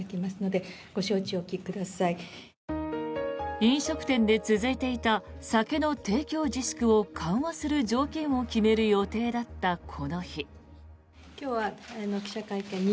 飲食店で続いていた酒の提供自粛を緩和する条件を決める予定だった、この日。